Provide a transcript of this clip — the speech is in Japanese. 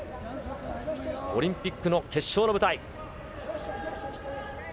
オリンピックの決勝の舞台。